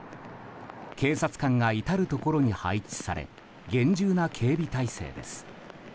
警察官が至るところに配置され厳重な警備態勢です。